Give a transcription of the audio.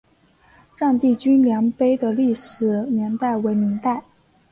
丈地均粮碑的历史年代为明代。